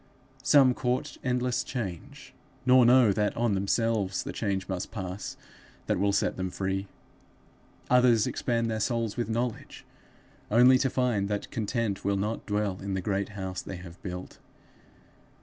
Some court endless change, nor know that on themselves the change must pass that will set them free. Others expand their souls with knowledge, only to find that content will not dwell in the great house they have built.